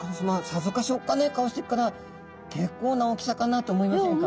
さぞかしおっかない顔してるから結構な大きさかなと思いませんか？